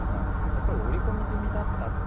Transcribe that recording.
やっぱり織り込み済みだった。